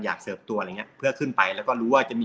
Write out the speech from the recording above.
อยากเสิร์ฟตัวอะไรนี่เพื่อขึ้นไปแล้วก็รู้ว่าจะมี